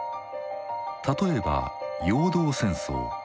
例えば「陽動戦争」。